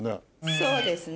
そうですね。